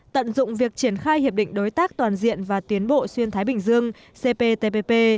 tận dụng việc triển khai hiệp định đối tác toàn diện và tiến bộ xuyên thái bình dương cptpp